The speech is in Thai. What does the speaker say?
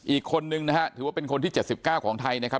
อีกคนนึงนะฮะถือว่าเป็นคนที่เจ็ดสิบเก้าของไทยนะครับ